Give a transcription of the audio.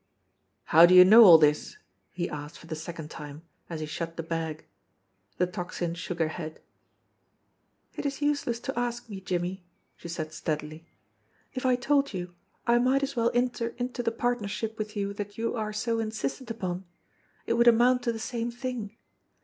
"How do you know all this ?" he asked for the second time, as he shut the bag. The Tocsin shook her head. "It is useless to ask me, Jimmie," she said steadily. "If I told you, I might as well enter into the partnership with THE PANELLED WALL 121 you that you are so insistent upon it would amount to the same thing.